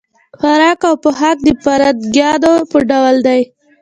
خوراک او پوښاک د فرنګیانو په ډول دی.